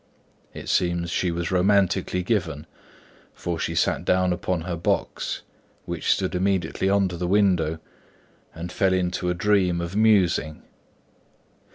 It seems she was romantically given, for she sat down upon her box, which stood immediately under the window, and fell into a dream of musing.